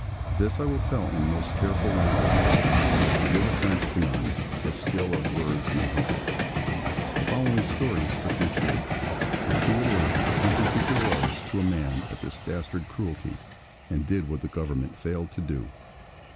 This I will tell in most careful language, so as to give offence to none, if skill of words may help it. * *The following story is strictly true; and true it is that the country people rose, to a man, at this dastard cruelty, and did what the Government failed to do.